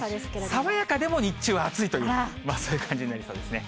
爽やかでも日中は暑いという、そういう感じになりそうですね。